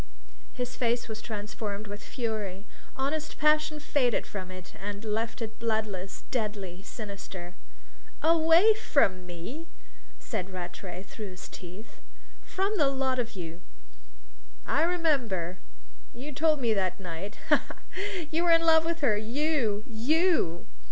His face was transformed with fury: honest passion faded from it and left it bloodless, deadly, sinister. "Away from me?" said Rattray, through his teeth. "From the lot of you." "I remember! You told me that night. Ha, ha, ha! You were in love with her you you!"